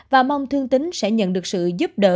và mong thương tính sẽ nhận được sự giúp đỡ